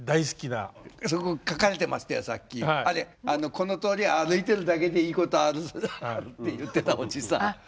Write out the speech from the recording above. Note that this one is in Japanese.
「この通りは歩いているだけでいいことある」って言ってたおじさん。